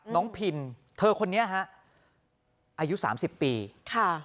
น้องพิลเธอคนนี้ฮะอายุ๓๐ปีค่ะ